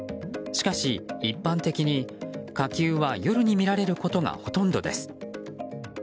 しかし、一般的に火球は夜に見られることがほとんどです。